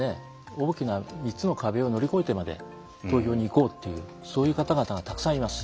大きな３つの壁を乗り越えてまで投票に行こうっていうそういう方々がたくさんいます。